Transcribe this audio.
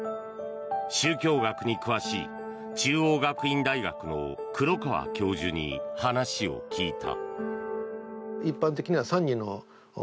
宗教学に詳しい、中央学院大学の黒川教授に話を聞いた。